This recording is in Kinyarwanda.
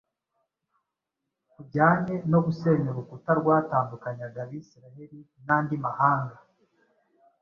kujyanye no gusenya urukuta rwatandukanyaga Abisiraheri n’andi mahanga.